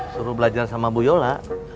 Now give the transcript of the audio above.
suruh belajar sama bu yola